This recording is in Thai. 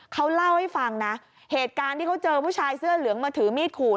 เขาเล่าให้ฟังนะเหตุการณ์ที่เขาเจอผู้ชายเสื้อเหลืองมาถือมีดขู่